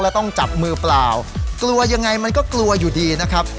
แล้วต้องจับมือเปล่ากลัวยังไงมันก็กลัวอยู่ดีนะครับ